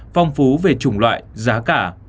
phong phú về chủng loại giá cả